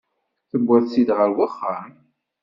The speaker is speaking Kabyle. Tewwid-tt-id ɣer uxxam?